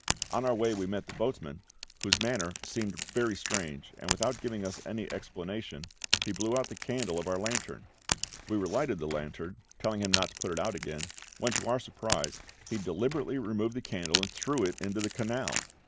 On our way we met the boatman, whose manner seemed very strange, and without giving us any explanation he blew out the candle of our lantern; we relighted the lantern, telling him not to put it out again, when to our surprise he deliberately removed the candle and threw it into the canal.